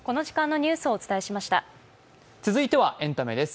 続いてはエンタメです。